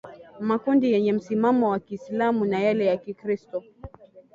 makundi yenye msimamo wa kiislamu na yale ya kikristo